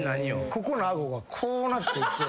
ここの顎がこうなっていって。